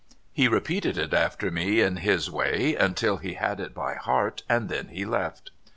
He repeated it after me in his way until he had it by heart, and then he left.